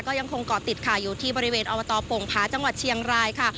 ก็ยังคงเกาะติดค่ะอยู่ที่บริเวณอบตโป่งผาจังหวัดเชียงรายค่ะ